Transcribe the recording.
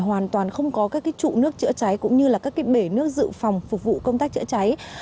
hoàn toàn không có các trụ nước chữa cháy cũng như là các cái bể nước dự phòng phục vụ công tác chữa cháy